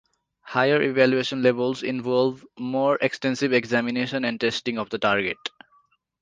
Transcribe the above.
Higher evaluation levels involve more extensive examination and testing of the target.